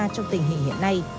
và tình hình hiện nay